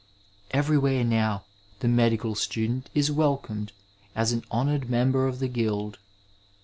Everywhere now the medical student is welcomed as an honoured member of the guild.